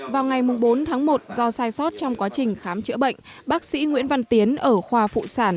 vào ngày bốn tháng một do sai sót trong quá trình khám chữa bệnh bác sĩ nguyễn văn tiến ở khoa phụ sản